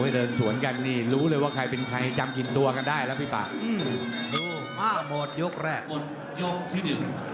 เรอคู่แรกของเรานะครับผ่านมาแล้วยกแลกปลายน้ำเงิน